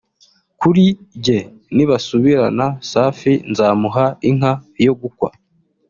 Kuri njye nibasubirana Safi nzamuha inka yo gukwa